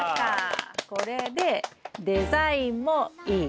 これでデザインもいい。